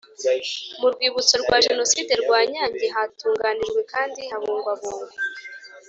Mu rwibutso rwa Jenoside rwa Nyange hatunganijwe kandi habungwabungwa